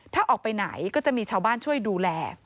ถ้าออกไปไหนก็จะมีชาวบ้านช่วยดูแล